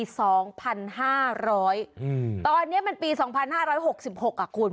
อืมตอนนี้มันปี๒๕๖๖อะคุณ